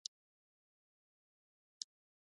د مختلفو عنصرونو د اتومونو په منځ کې مرکبونه تشکیلیږي.